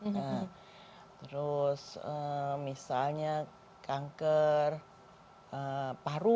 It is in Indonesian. nah terus misalnya kanker paru